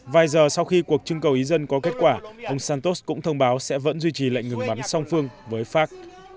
vài giờ sau khi cuộc trưng cầu ý dân có kết quả ông santos cũng thông báo sẽ vẫn duy trì lệnh ngừng bắn song phương với pháp